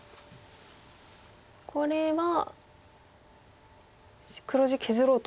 これは黒地削ろうと。